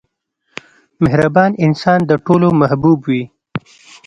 • مهربان انسان د ټولو محبوب وي.